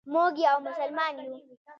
موږ یو مسلمان یو.